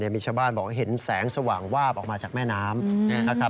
มีชาวบ้านบอกเห็นแสงสว่างวาบออกมาจากแม่น้ำนะครับ